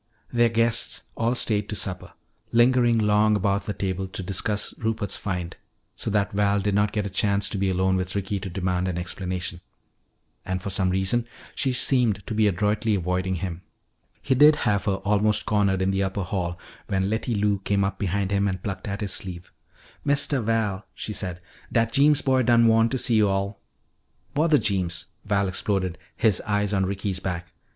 Their guests all stayed to supper, lingering long about the table to discuss Rupert's find, so that Val did not get a chance to be alone with Ricky to demand an explanation. And for some reason she seemed to be adroitly avoiding him. He did have her almost cornered in the upper hall when Letty Lou came up behind him and plucked at his sleeve. "Mistuh Val," she said, "dat Jeems boy done wan' to see yo'all." "Bother Jeems!" Val exploded, his eyes on Ricky's back.